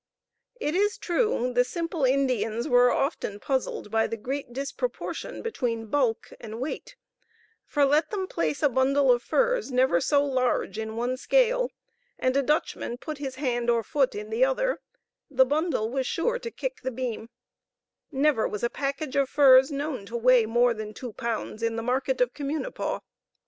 It is true the simple Indians were often puzzled by the great disproportion between bulk and weight, for let them place a bundle of furs never so large in one scale, and a Dutchman put his hand or foot in the other, the bundle was sure to kick the beam; never was a package of furs known to weigh more than two pounds in the market of Communipaw!